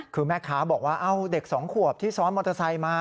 คือแม่ค้าบอกว่าเด็ก๒ขวบที่ซ้อนมอเตอร์ไซค์มา